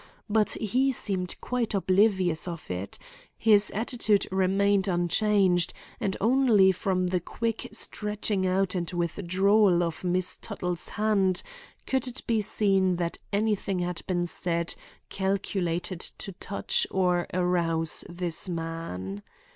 But he seemed quite oblivious of it; his attitude remained unchanged, and only from the quick stretching out and withdrawal of Miss Tuttle's hand could it be seen that anything had been said calculated to touch or arouse this man.